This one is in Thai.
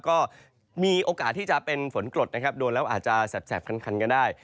ก็มีโอกาสที่จะเป็นฝนกรดนะครับโดนแล้วอาจจะแสบคันก็ได้